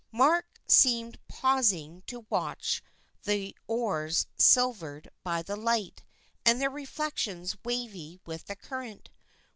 Mark seemed pausing to watch the oars silvered by the light, and their reflections wavy with the current.